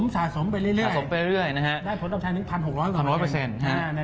สะสมไปเรื่อยนะครับ